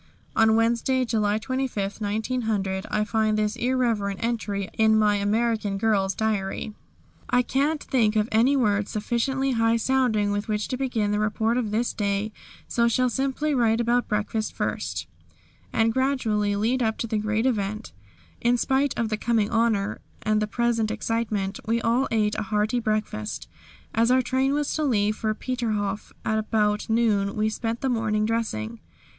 On Wednesday, July 25, 1900, I find this irreverent entry in my American girl's diary: "I can't think of any words sufficiently high sounding with which to begin the report of this day, so shall simply write about breakfast first, and gradually lead up to the great event. In spite of the coming honour and the present excitement we all ate a hearty breakfast." "As our train was to leave for Peterhof about noon we spent the morning dressing.